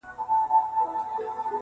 • ګران وطنه دا هم زور د میني ستا دی..